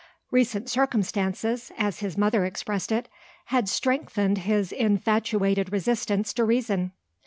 "Recent circumstances" (as his mother expressed it) "had strengthened his infatuated resistance to reason."